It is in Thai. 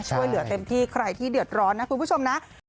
ช่วยเหลือเต็มที่ใครที่เดือดร้อนนะคุณผู้ชมนะ